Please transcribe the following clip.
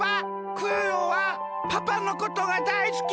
クヨヨはパパのことがだいすき！